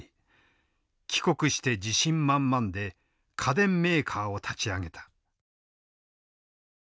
帰国して自信満々で家電メーカーを立ち上げた。